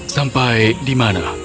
sampai di mana